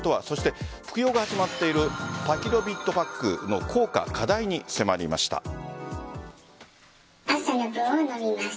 そして服用が始まっているパキロビッドパックの効果課題に迫りました。